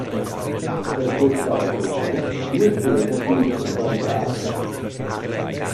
Per questa ragione, due scene furono tagliate.